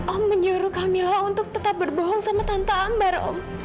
om menyuruh kamila untuk tetap berbohong sama tante ambar om